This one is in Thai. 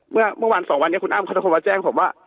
เมื่อเมื่อวันสองวันเนี่ยคุณอ้ำเขาจะมาแจ้งผมว่า